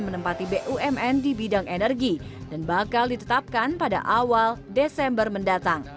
menempati bumn di bidang energi dan bakal ditetapkan pada awal desember mendatang